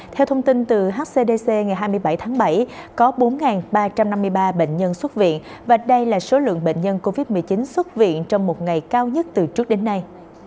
theo thông tin từ hcdc ngày hai mươi bảy tháng bảy có bốn ba trăm năm mươi ba bệnh nhân xuất viện và đây là số lượng bệnh nhân covid một mươi chín xuất viện trong một ngày cao nhất từ trước đến nay